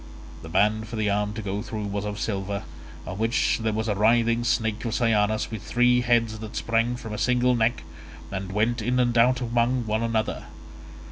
The band for the arm to go through was of silver, on which there was a writhing snake of cyanus with three heads that sprang from a single neck, and went in and out among one another.